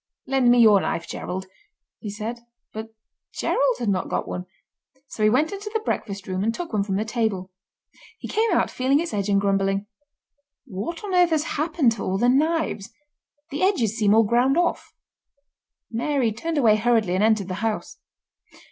"Lend me your knife, Gerald," he said. But Gerald had not got one, so he went into the breakfast room and took one from the table. He came out feeling its edge and grumbling. "What on earth has happened to all the knives—the edges seem all ground off?" Mary turned away hurriedly and entered the house.